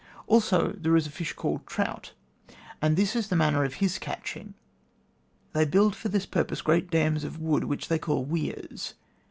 Also there is a fish called trout, and this is the manner of his catching. They build far this purpose great dams of wood, which they call weirs.